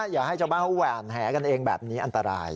อย่าให้ชาวบ้านเขาแหวนแหกันเองแบบนี้อันตราย